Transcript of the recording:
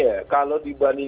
sebenarnya gini ya